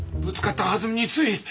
ぶつかったはずみについ。